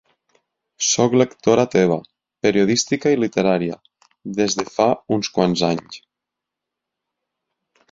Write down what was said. Sóc lectora teva, periodística i literària, des de fa uns quants anys.